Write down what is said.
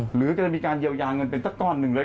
หรือจะมีการเยียวยาเงินเป็นตั้งต้อนหนึ่งเลย